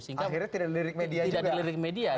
akhirnya tidak dilihat di media juga